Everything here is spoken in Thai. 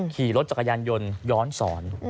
ขี่รถจักรยานยนต์ย้อนสอน